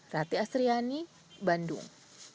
rati asriani bandung